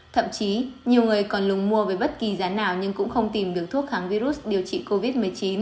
thậm chí nhiều người còn lùng mua với bất kỳ giá nào nhưng cũng không tìm được thuốc kháng virus điều trị covid một mươi chín